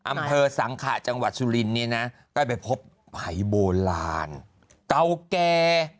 อำเภอสังขะจังหวัดสุรินทร์นี้นะใกล้ไปพบหายโบราณเก่าแก่